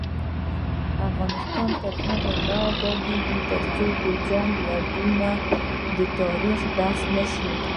افغانستان تر هغو نه ابادیږي، ترڅو د جنګ یادونه د تاریخ درس نشي.